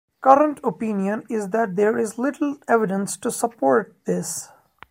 Current opinion is that there is little evidence to support this.